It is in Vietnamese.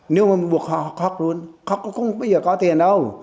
nếu mà mình buộc họ khóc luôn khóc cũng không bao giờ có tiền đâu